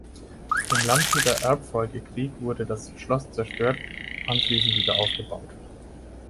Im Landshuter Erbfolgekrieg wurde das Schloss zerstört, anschließend wieder aufgebaut.